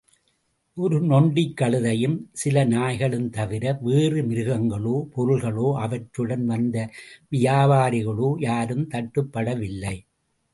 ஒரு நொண்டிக் கழுதையும் சில நாய்களும் தவிர வேறு மிருகங்களோ, பொருள்களோ, அவற்றுடன் வந்த வியாபாரிகளோ யாரும் தட்டுப்படவில்லை.